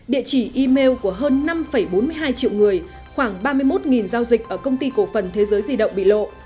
địa chỉ email của hơn năm bốn mươi hai triệu người khoảng ba mươi một giao dịch ở công ty cổ phần thế giới di động bị lộ